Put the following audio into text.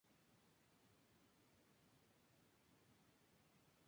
El curso inferior del río es navegable para pequeñas embarcaciones.